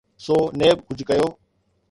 سو نيب ڪجهه ڪيو.